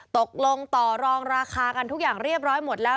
ตกลงต่อรองราคากันทุกอย่างเรียบร้อยหมดแล้ว